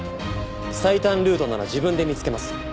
最短ルートなら自分で見つけます。